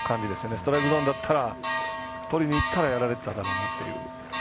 ストライクゾーンだったらとりにいったらやられてただろうなという。